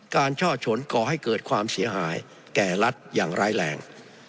ช่อชนก่อให้เกิดความเสียหายแก่รัฐอย่างร้ายแรง